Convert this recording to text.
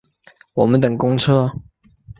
我们等公车